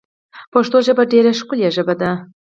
پشتو ژبه ډېره ښکولي ژبه ده